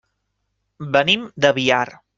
Venim de Biar.